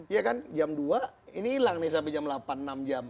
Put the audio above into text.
ya kan jam dua ini hilang nih sampai jam delapan enam jam